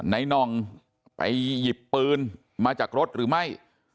น่องไปหยิบปืนมาจากรถหรือไม่